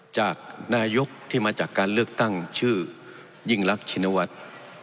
จากนายกที่มาจากการเลือกตั้งชื่อยิ่งรักชินวัฒน์